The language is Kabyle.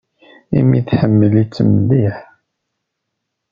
Imi tḥemmel-itt mliḥ.